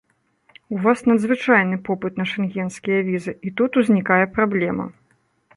У вас надзвычайны попыт на шэнгенскія візы, і тут узнікае праблема.